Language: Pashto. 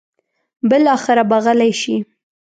بالاخره به غلې شي.